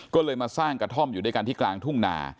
ก็เลยมาสร้างกระท่อมอยู่ด้วยกันที่กลางทุ่งนา